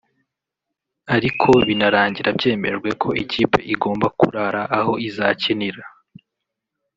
ariko birangira byemejwe ko ikipe igomba kurara aho izakinira